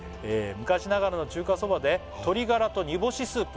「昔ながらの中華そばで鶏がらと煮干しスープ」